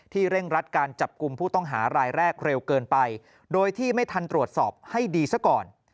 เร่งรัดการจับกลุ่มผู้ต้องหารายแรกเร็วเกินไปโดยที่ไม่ทันตรวจสอบให้ดีซะก่อน